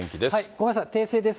ごめんなさい、訂正です。